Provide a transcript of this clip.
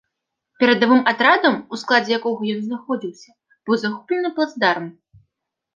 Перадавым атрадам, у складзе якога ён знаходзіўся быў захоплены плацдарм.